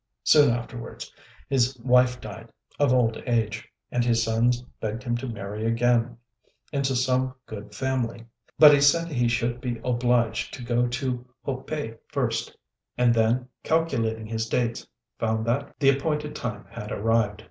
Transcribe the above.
Soon afterwards his wife died of old age, and his sons begged him to marry again into some good family; but he said he should be obliged to go to Ho pei first; and then, calculating his dates, found that the appointed time had arrived.